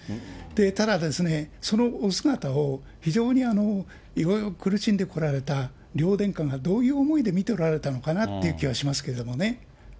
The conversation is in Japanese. ただ、そのお姿を、非常にいろいろ苦しんでこられた両殿下がどういう思いで見ておられたのかなっていう気はしますけどね。